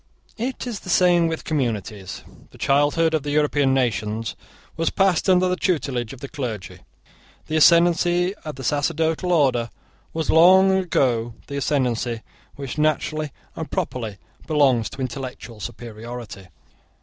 It is the same with communities. The childhood of the European nations was passed under the tutelage of the clergy. The ascendancy of the sacerdotal order was long the ascendancy which naturally and properly belongs to intellectual superiority.